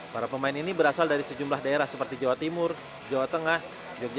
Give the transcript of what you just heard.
para pemain ini berasal dari sejumlah daerah seperti jawa timur jawa tengah jogja